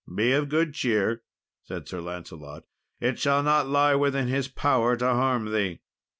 "Be of good cheer," said Sir Lancelot; "it shall not lie within his power to harm thee."